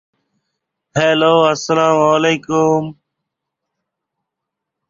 এটি "শিশু ভোলানাথ" কাব্যগ্রন্থের অন্তর্ভুক্ত।